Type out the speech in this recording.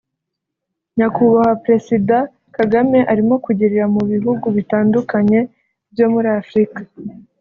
Nyakubahwa Presida Kagame arimo kugirira mu bihugu bitandukanye byo muri Afrika